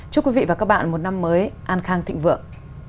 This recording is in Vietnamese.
chúc quý vị và các bạn một năm mới an khang thịnh vượng